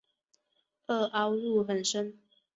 萼凹入很深。